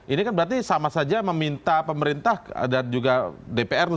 ini kan berarti sama saja meminta pemerintah dan juga dpr